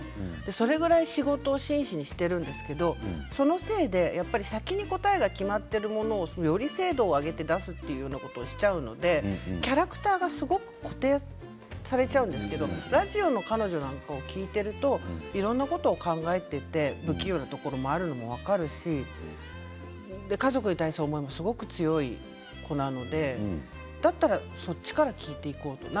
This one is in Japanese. それくらい仕事を真摯にしているんですけどそのせいで先に答えが決まっているものをより精度を上げて出そうということをするのでキャラクターがすごく固定されちゃうんですけどラジオの彼女なんかを聞いているといろんなことを考えていて不器用なところがあるのも分かるし家族に対する思いも強いだったらこっちから聞いていこうと。